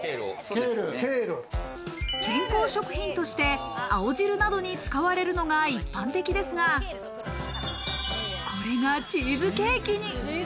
健康食品として青汁などに使われるのが一般的ですが、これがチーズケーキに。